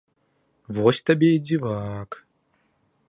Вось табе і дзівак!